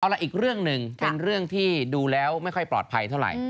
เอาละอีกเรื่องหนึ่งเป็นเรื่องที่ดูแล้วไม่ค่อยปลอดภัยเท่าไหร่